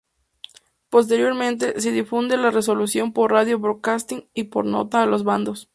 Posteriormente, se difunde la resolución por radio broadcasting y por nota a los bandos.